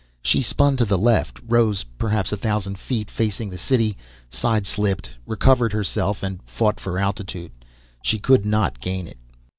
She spun to the left, rose perhaps a thousand feet, facing the city, sideslipped, recovered herself and fought for altitude. She could not gain it.